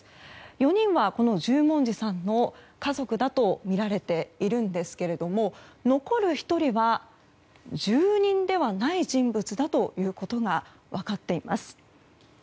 ４人はこの十文字さんの家族だとみられているんですけども残る１人は、住人ではない人物だということが分かっています。